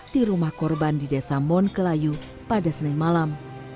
di rumah korban di desa monkelayu pada senin malam